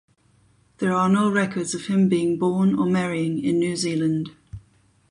There are no records of him being born or marrying in New Zealand.